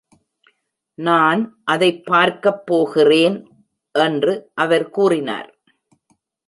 "நான் அதைப் பார்க்கப் போகிறேன்," என்று அவர் கூறினார்..